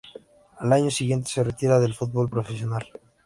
Al año siguiente se retira del fútbol profesional.